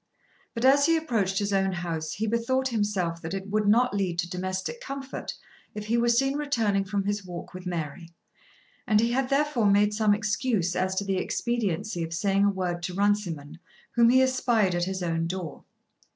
But as he approached his own house he bethought himself that it would not lead to domestic comfort if he were seen returning from his walk with Mary, and he had therefore made some excuse as to the expediency of saying a word to Runciman whom he espied at his own door.